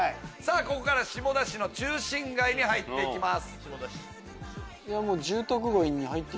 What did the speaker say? ここから下田市の中心街に入っていきます。